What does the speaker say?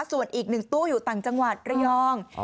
ส่วนอีก๑ตู้อยู่ต่างจังหวัดระยอง